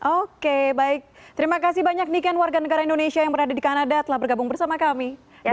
oke baik terima kasih banyak nih kan warga negara indonesia yang pernah ada di kanada telah bergabung bersama kami di vl ramadan